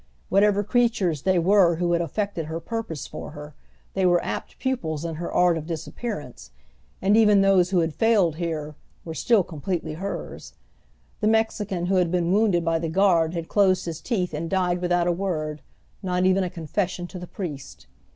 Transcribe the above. Whatever creatures they were who had effected her purpose for her, they were apt pupils in her art of disappearance, and even those who had failed here, were still completely hers. The Mexican who had been wounded by the guard had closed his teeth and died without a word, not even a confession to the priest.